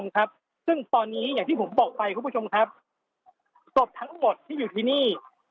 คุณผู้ชมครับตัวทั้งหมดที่อยู่ที่นี่